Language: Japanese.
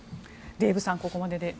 デーブさん、ここまでで。